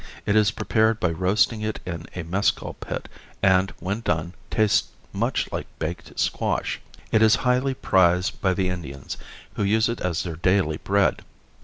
It is prepared by roasting it in a mescal pit and, when done, tastes much like baked squash. It is highly prized by the Indians, who use it as their daily bread.